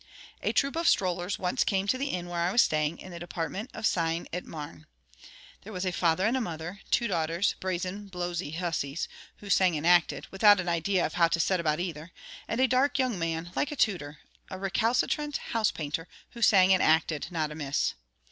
A troop of strollers once came to the inn where I was staying, in the department of Seine et Marne. There was a father and mother; two daughters, brazen, blowsy hussies, who sang and acted, without an idea of how to set about either; and a dark young man, like a tutor, a recalcitrant house painter, who sang and acted not amiss.